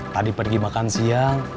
tadi pergi makan siang